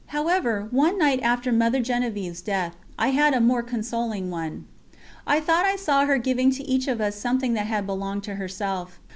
However, one night after Mother Genevieve's death, I had a more consoling one. I thought I saw her giving to each of us something that had belonged to herself.